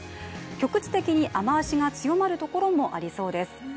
局地的に雨足が強まるところもありそうです。